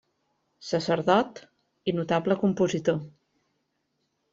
Sacerdot i notable compositor.